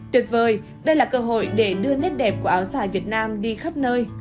tuyệt vời đây là cơ hội để đưa nét đẹp của áo dài việt nam đi khắp nơi